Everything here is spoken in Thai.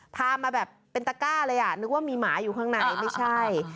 พามาแบบเป็นตะก้าเลยอ่ะนึกว่ามีหมาอยู่ข้างในไม่ใช่